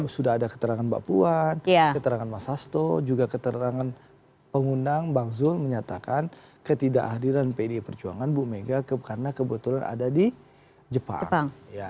sudah ada keterangan mbak puan keterangan mas hasto juga keterangan pengundang bang zul menyatakan ketidakhadiran pdi perjuangan bu mega karena kebetulan ada di jepang